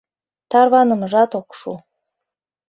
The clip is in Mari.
Тарванымыжат ок шу.